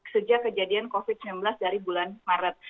sejak kejadian covid sembilan belas dari bulan maret